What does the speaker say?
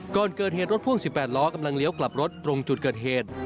ก่อนเกิดเหตุรถพ่วง๑๘ล้อกำลังเลี้ยวกลับรถตรงจุดเกิดเหตุ